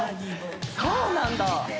そうなんだ